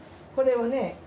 これをね